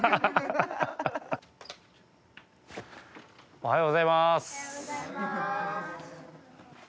おはようございます。